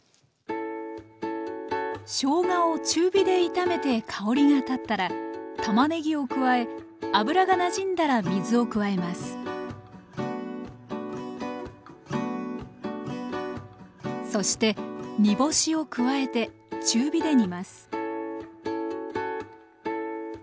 しょうがを中火で炒めて香りが立ったらたまねぎを加え油がなじんだら水を加えますそして煮干しを加えて中火で煮ます